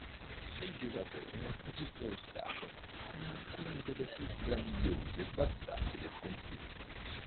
Il giocatore è così proiettato in alcune delle più grandiose battaglie del conflitto.